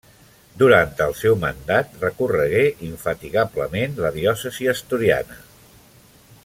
Durant el seu mandat recorregué infatigablement la diòcesi asturiana.